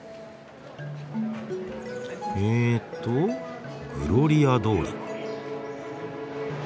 えっとグロリア通り。